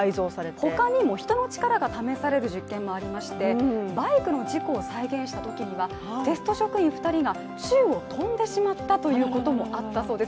他にも人の力が試される実験もありましてバイクの事故を再現したときにはテスト職員２人が宙を飛んでしまったということもあったそうです。